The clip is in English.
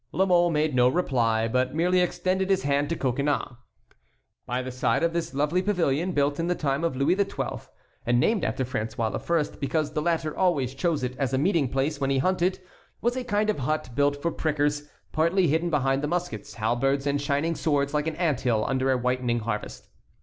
La Mole made no reply, but merely extended his hand to Coconnas. By the side of this lovely pavilion, built in the time of Louis XII., and named after François I., because the latter always chose it as a meeting place when he hunted, was a kind of hut built for prickers, partly hidden behind the muskets, halberds, and shining swords like an ant hill under a whitening harvest.